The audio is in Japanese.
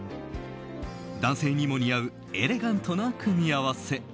男性にも似合うエレガントな組み合わせ。